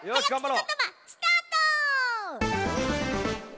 ことばスタート！